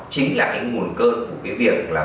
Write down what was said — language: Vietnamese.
chính là cái nguồn cơ của cái việc là